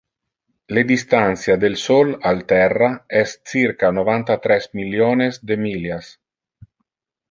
Le distantia del sol al terra es circa novanta-tres milliones de millias.